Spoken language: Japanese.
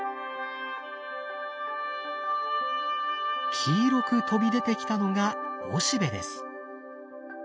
黄色く飛び出てきたのがおしべです。